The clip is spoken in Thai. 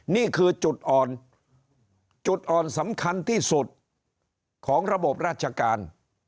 นี่คือจุดอ่อนจุดอ่อนสำคัญที่สุดของระบบราชการ